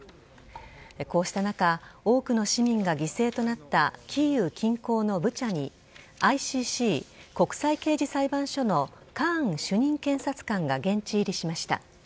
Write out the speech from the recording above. こうした中多くの市民が犠牲となったキーウ近郊のブチャにＩＣＣ＝国際刑事裁判所のカーン主任検察官が現地入りしました。